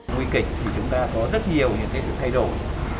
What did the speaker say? nguy kịch thì chúng ta có rất nhiều những sự thay đổi